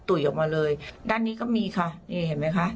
ออกมาเลยด้านนี้ก็มีค่ะนี่เห็นไหมคะ